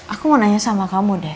aku mau nanya sama kamu deh